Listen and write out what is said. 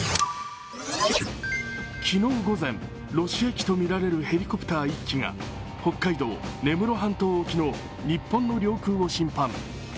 昨日午前、ロシア機とみられるヘリコプター１機が北海道・根室半島沖の日本の領空を侵犯。